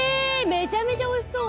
めちゃめちゃおいしそう。